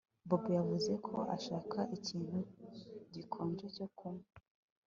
Bobo yavuze ko ashaka ikintu gikonje cyo kunywa